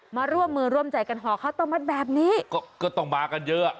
มาร่วมมือร่วมใจกันห่อข้าวต้มมัดแบบนี้ก็ก็ต้องมากันเยอะอ่ะ